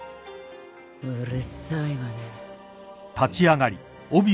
うるさいわね。